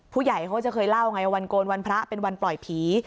ผู้ใหญ่เขาจะเคยเล่าไงวันโกนวันพระเป็นวันปล่อยผี